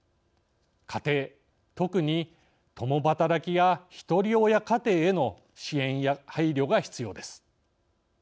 家庭特に共働きやひとり親家庭への支援や配慮が必要です。